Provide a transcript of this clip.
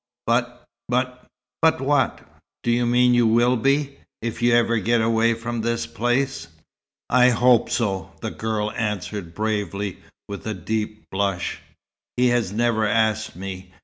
But but " "But what? Do you mean you will be if you ever get away from this place?" "I hope so," the girl answered bravely, with a deep blush. "He has never asked me.